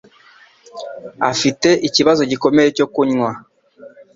afite ikibazo gikomeye cyo kunywa.